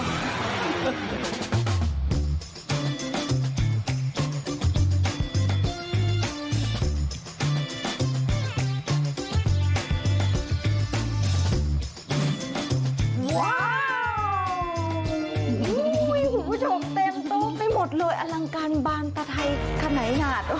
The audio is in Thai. โอ้โฮผู้ชมเต็มโต๊ะไม่หมดเลยอลังการบางตาไทยขนายหาด